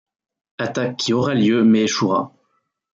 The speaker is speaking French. Attaque qui aura lieu mais échouera.